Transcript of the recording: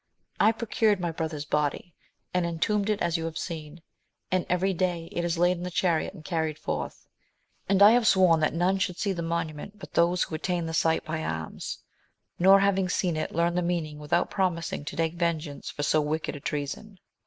I procured my brother's body, and en tombed it as you have seen, and every day it is laid in the chariot, aui c^to^ iQ^\Xvs ^\A 1 \>L^y^ sworn AMADIS OF GAUL. 139 that none should see the monument but those who attain the sight by arms, nor having seen it, learn the meaning without promising to take vengeance for so wicked a treason.